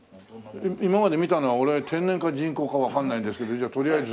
今まで見たのは俺天然か人工かわからないんですけどじゃあとりあえず。